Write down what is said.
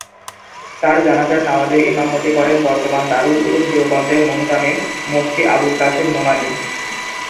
তার জানাজার নামাজের ইমামতি করেন বর্তমান দারুল উলুম দেওবন্দের মুহতামিম মুফতি আবুল কাসেম নোমানী।